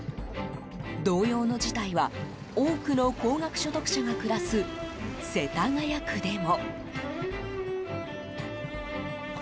同様の事態は多くの高額所得者が暮らす世田谷区でも。